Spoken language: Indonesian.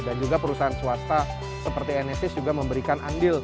dan juga perusahaan swasta seperti enesis juga memberikan andil